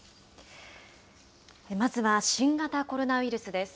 まずは新型コロナウイルスです。